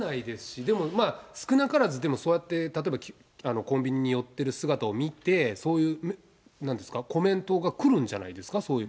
でも、少なからず、そうやってコンビニに寄ってる姿を見て、そういう、なんですか、コメントが来るんじゃないですか、そういう。